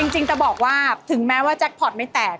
จริงจะบอกว่าถึงแม้ว่าแจ็คพอร์ตไม่แตก